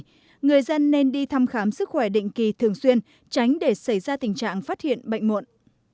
vì vậy người dân nên đi thăm khám sức khỏe định kỳ thường xuyên tránh để xảy ra tình trạng phát hiện bệnh muộn